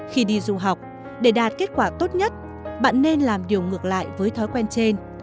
khi đi du học để đạt kết quả tốt nhất bạn nên làm điều ngược lại với thói quen trên